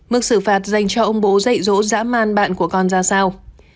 mức xử phạt dành cho ông bố dạy dỗ dã man bạn của con ra sao